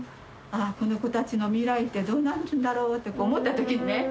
ああこの子たちの未来ってどうなるんだろうって思った時にね